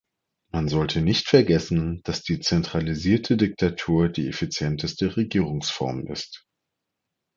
Man sollte nicht vergessen, dass die zentralisierte Diktatur die effizienteste Regierungsform ist.